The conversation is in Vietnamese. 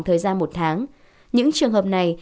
thời gian một tháng những trường hợp này